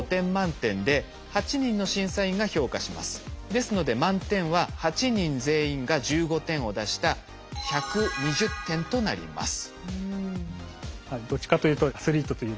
ですので満点は８人全員が１５点を出した１２０点となります。